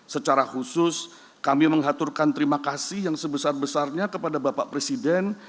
secara khusus kami mengaturkan terima kasih yang sebesar besarnya kepada bapak presiden